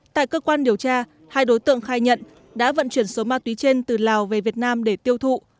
tại cơ quan điều tra hai đối tượng khai nhận đã vận chuyển số ma túy trên từ lào về việt nam để tiêu thụ